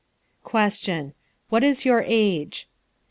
Question. What is your age?